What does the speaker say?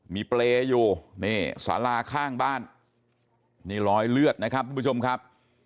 มีเปรย์อยู่นี่สาราข้างบ้านนี่รอยเลือดนะครับทุกผู้ชมครับ